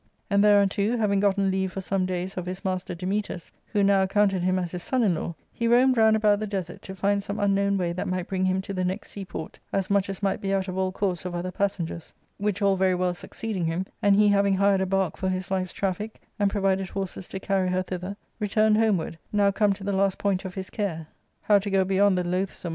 And thereunto, having gotten leave for some days of his master Dametas, who now accounted him as his son in law, he roamed round about the desert to find some unknown way that might bring him to the next seaport as much as might be out of all course of other passengers ; which all very well succeeding him, and he having hired a bark for his life's traffic, and provided horses to carry her thither, returned homeward, now come to the last point of his care, how to go beyond the loathsome ARCADIA.